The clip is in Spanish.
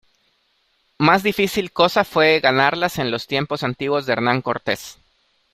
más difícil cosa fué ganarlas en los tiempos antiguos de Hernán Cortés.